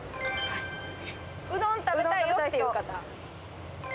うどん食べたいよっていう方？